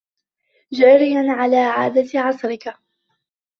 جَارِيًا عَلَى عَادَةِ عَصْرِك